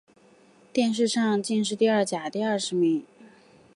殿试登进士第二甲第二十名。